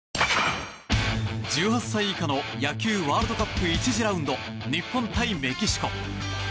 １８歳以下の野球ワールドカップ１次ラウンド日本対メキシコ。